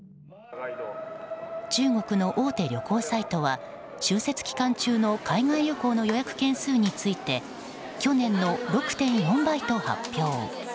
中国の大手旅行サイトは春節期間中の海外旅行の予約件数について去年の６．４倍と発表。